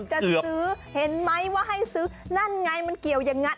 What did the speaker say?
นี่ไงบอกแล้วว่ามันจะซื้อเห็นไหมว่าให้ซื้อนั่นไงมันเกี่ยวยังงั้น